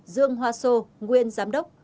dương hoa sô nguyên giám đốc